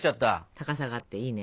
高さがあっていいね。